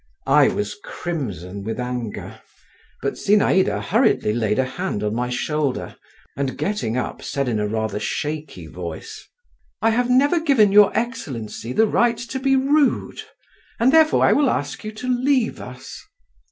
I was crimson with anger, but Zinaïda hurriedly laid a hand on my shoulder, and getting up, said in a rather shaky voice: "I have never given your excellency the right to be rude, and therefore I will ask you to leave us."